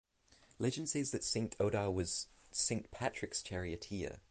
Legend says that Saint Odhar was Saint Patrick's charioteer.